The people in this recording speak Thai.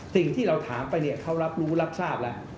สิ่งที่เราถามไปเนี่ยเขารับรู้รับทราบแล้ว